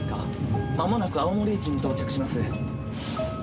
間もなく青森駅に到着します。